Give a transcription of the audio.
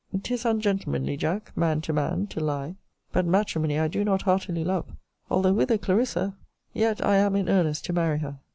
'Tis ungentlemanly, Jack, man to man, to lie. But matrimony I do not heartily love although with a CLARISSA yet I am in earnest to marry her.